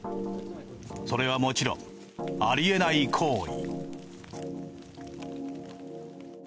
それはもちろんありえない行為。